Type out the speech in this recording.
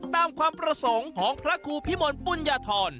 ตามความประสงค์ของพระครูพิมลปุญญาธร